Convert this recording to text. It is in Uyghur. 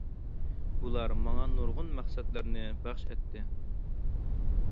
بۇلار ماڭا نۇرغۇن مەقسەتلەرنى بەخش ئەتتى.